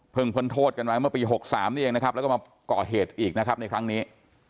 พ้นโทษกันไว้เมื่อปี๖๓นี่เองนะครับแล้วก็มาก่อเหตุอีกนะครับในครั้งนี้